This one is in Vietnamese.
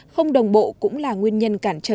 không đồng bộ cũng là nguyên nhân